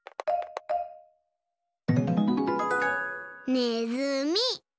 ねずみ。